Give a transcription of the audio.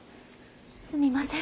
すみません。